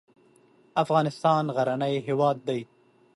افغانستان غرنی هېواد دی.